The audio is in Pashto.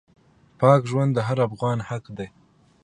پاک ژوند د هر افغان حق دی.